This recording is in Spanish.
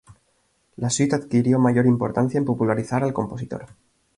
La suite adquirió mayor importancia en popularizar al compositor.